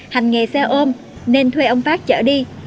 hành nghề xe ôm nên thuê ông phát trở đi